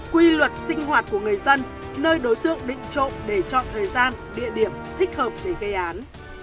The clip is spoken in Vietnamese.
quy luật sinh hoạt của người dân nơi đối tượng định trộm để chọn thời gian địa điểm thích hợp để gây án